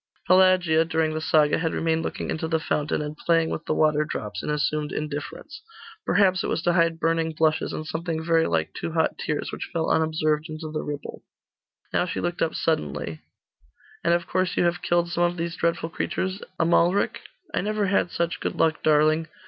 Pelagia, during the saga, had remained looking into the fountain, and playing with the water drops, in assumed indifference. Perhaps it was to hide burning blushes, and something very like two hot tears, which fell unobserved into the ripple. Now she looked up suddenly 'And of course you have killed some of these dreadful creatures, Amalric?' 'I never had such good luck, darling.